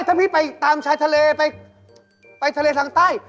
ถ้าพี่ไปตามชายทะเลไปทะเลทางใต้